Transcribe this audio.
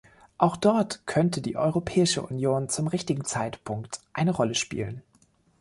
Auch dort könnte die Europäische Union zum richtigen Zeitpunkt eine Rolle spielen.